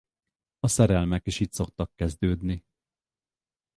A szerelmek is itt szoktak kezdődni.